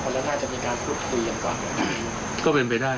มันน่าจะมีการพูดคุยอย่างก่อนหรือเปล่า